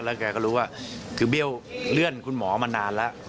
แล้วแกก็รู้ว่าคือเลื่อนคุณหมอมานานแล้ว